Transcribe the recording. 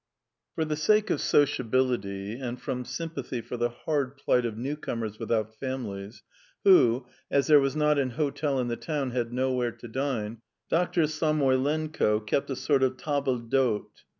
III For the sake of sociability and from sympathy for the hard plight of newcomers without families, who, as there was not an hotel in the town, had nowhere to dine, Dr. Samoylenko kept a sort of table d'hôte.